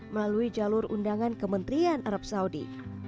melalui jalur undangan kementerian arab saudi